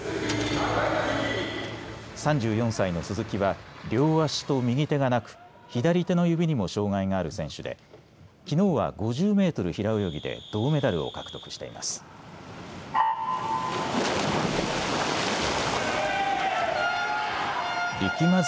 ３４歳の鈴木は両足と右手がなく左手の指にも障がいがある選手できのうは５０メートル平泳ぎで銅メダルを獲得しています。